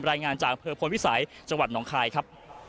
รายงานจากอำเภอพลวิสัยจังหวัดหนองคายครับ